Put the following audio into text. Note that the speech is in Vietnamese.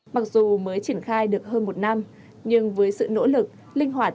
mặc dù mới triển khai được hơn một năm nhưng với sự nỗ lực linh hoạt